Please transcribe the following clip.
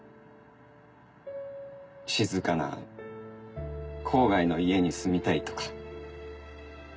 静かな郊外の家に住みたいとか。